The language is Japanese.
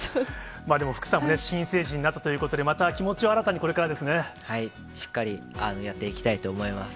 でも福さん、新成人になったということでまた気持ちを新しっかりやっていきたいと思います。